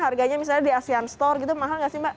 harganya misalnya di asean store gitu mahal gak sih mbak